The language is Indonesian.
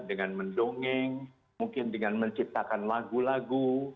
dengan mendongeng mungkin dengan menciptakan lagu lagu